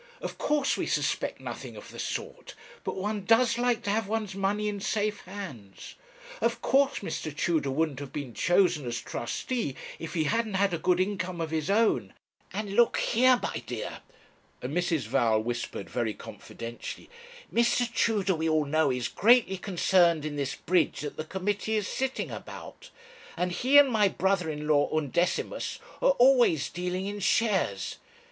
Of course we suspect nothing of the sort. But one does like to have one's money in safe hands. Of course Mr. Tudor wouldn't have been chosen as trustee if he hadn't had a good income of his own; and look here, my dear,' and Mrs. Val whispered very confidentially 'Mr. Tudor we all know is greatly concerned in this bridge that the committee is sitting about; and he and my brother in law, Undecimus, are always dealing in shares.